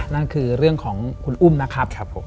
นั่นคือเรื่องของคุณอุ้มนะครับผม